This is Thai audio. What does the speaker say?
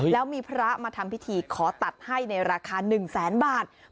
แล้วมีพระมาทำพิธีขอตัดให้ในราคา๑แสนบาท